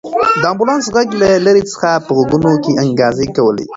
د امبولانس غږ له لرې څخه په غوږونو کې انګازې کولې.